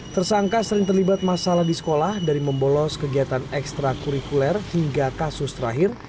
tersangka sering terlibat masalah di sekolah dari membolos kegiatan ekstra kurikuler hingga kasus terakhir